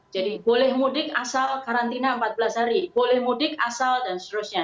jadi boleh mudik asal karantina empat belas hari boleh mudik asal dan seterusnya